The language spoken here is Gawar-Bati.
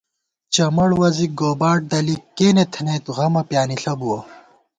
چمڑ وَزِک گوباٹ دَلِک کېنے تھنَئیت غمہ پیانِݪہ بُوَہ